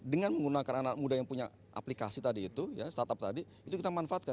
dengan menggunakan anak muda yang punya aplikasi tadi itu ya startup tadi itu kita manfaatkan